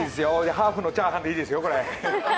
ハーフのチャーハンでいいですよ。